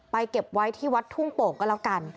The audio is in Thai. เก็บไว้ที่วัดทุ่งโป่งก็แล้วกัน